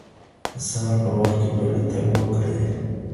د سهار په وخت کي پلی تګ وکړئ.